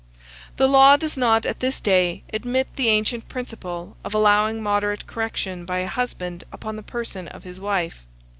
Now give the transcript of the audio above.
The law does not at this day admit the ancient principle of allowing moderate correction by a husband upon the person of his wife.